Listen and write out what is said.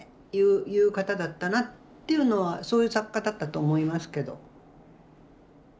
言う方だったなっていうのはそういう作家だったと思いますけど。